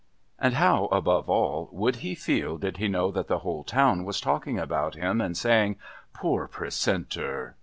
And how, above all, would he feel did he know that the whole town was talking about him and saying "Poor Precentor!"?